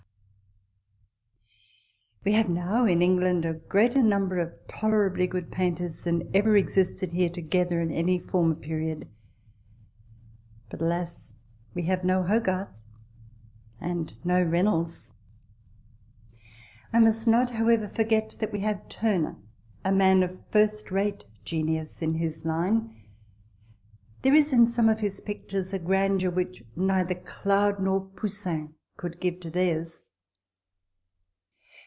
n6 RECOLLECTIONS OF THE We have now in England a greater number of tolerably good painters than ever existed here to gether at any former period ; but, alas, we have no Hogarth, and no Reynolds ! I must not, however, forget that we have Turner, a man of first rate genius in his line. There is in some of his pictures a grandeur which neither Claude nor Poussin could give to theirs.